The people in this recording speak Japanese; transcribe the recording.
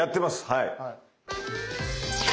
はい。